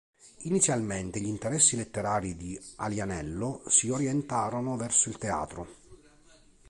Inizialmente gli interessi letterari di Alianello si orientarono verso il teatro.